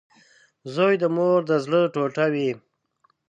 • زوی د مور د زړۀ ټوټه وي.